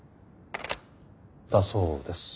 だそうです。